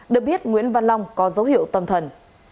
được biết nguyễn văn long có dấu hiệu tâm thần